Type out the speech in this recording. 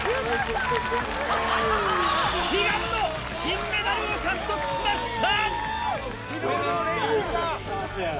悲願の金メダルを獲得しました！